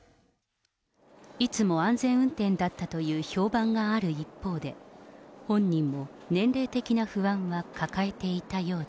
いつも安全運転だったという評判がある一方で、本人も年齢的な不安は抱えていたようだ。